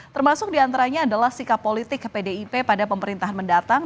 termasuk diantaranya adalah sikap politik pdip pada pemerintahan mendatang